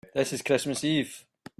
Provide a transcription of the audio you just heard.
This is Christmas Eve.